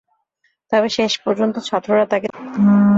তবে শেষ পর্যন্ত ছাত্ররা তাঁকে দুই ম্যাচ হারের লজ্জায় পড়তে দেননি।